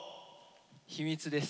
秘密です。